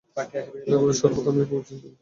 লেবুর শরবত আমিও খুব পছন্দ করি।